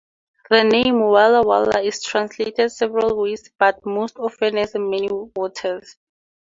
The name "Walla Walla" is translated several ways but most often as "many waters.